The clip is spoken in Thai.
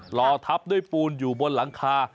รอทับด้วยปูนอยู่บนหลังคา